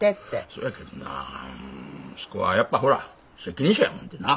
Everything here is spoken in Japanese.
そやけどなうんそこはやっぱほら責任者やもんでな。